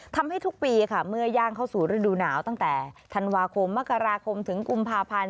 ทำให้ทุกปีค่ะเมื่อย่างเข้าสู่ฤดูหนาวตั้งแต่ธันวาคมมกราคมถึงกุมภาพันธ์